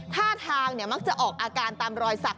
ท่าทางมักจะออกอาการตามรอยสัก